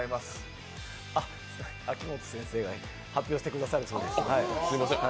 秋元先生が発表してくださるそうです。